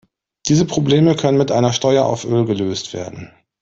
Diese Probleme können mit einer Steuer auf Öl gelöst werden.